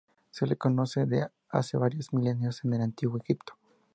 Se lo conoce de hace varios milenios en el Antiguo Egipto.